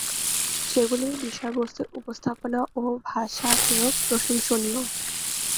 সেগুলির বিষয়বস্ত্তর উপস্থাপনা ও ভাষা প্রয়োগ প্রশংসনীয়।